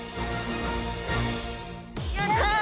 やった！